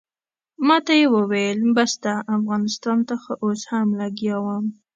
ماته یې وویل بس ده افغانستان ته خو اوس هم لګیا وم.